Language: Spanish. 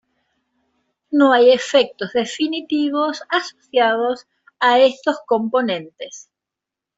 No hay efectos definitivos asociados a estos componentes.